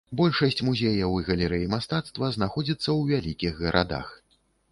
Большасць музеяў і галерэй мастацтва знаходзіцца ў вялікіх гарадах.